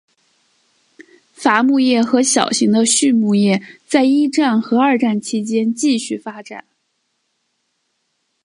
伐木业和小型的畜牧业在一战和二战期间继续发展。